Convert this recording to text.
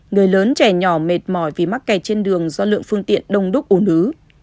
người lớn trẻ nhỏ mệt mỏi vì mắc kẹt trên đường do lượng phương tiện đông đúc ổn ứ